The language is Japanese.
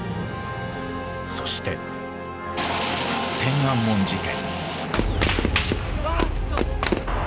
そして「天安門事件」。